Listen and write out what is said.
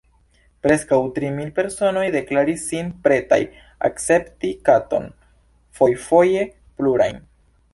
Preskaŭ tri mil personoj deklaris sin pretaj akcepti katon – fojfoje plurajn.